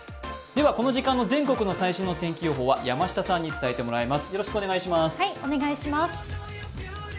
この時間の全国の最新の天気は山下さんに伝えてもらいます。